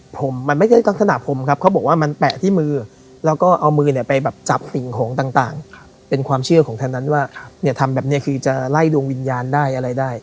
พิธีก็คือเขาบอกว่าใช้น้ำ